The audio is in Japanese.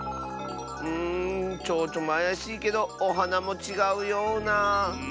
うんちょうちょもあやしいけどおはなもちがうような。